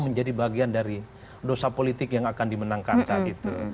menjadi bagian dari dosa politik yang akan dimenangkan saat itu